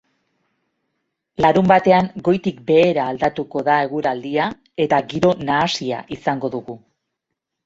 Larunbatean goitik behera aldatuko da eguraldia eta giro nahasia izango dugu.